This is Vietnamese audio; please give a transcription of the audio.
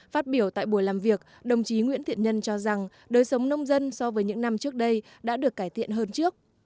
phát biểu tại buổi làm việc đồng chí nguyễn thiện nhân cho rằng đời sống nông dân so với những năm trước đây đã được cải thiện hơn trước